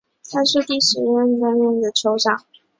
他是第十一任登丹人酋长。